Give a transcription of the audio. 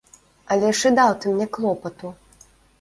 Але ж і даў ты мне клопату.